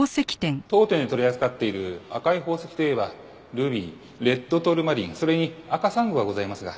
当店で取り扱っている赤い宝石といえばルビーレッドトルマリンそれに赤珊瑚がございますが。